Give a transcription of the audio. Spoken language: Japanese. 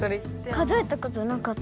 数えたことなかった。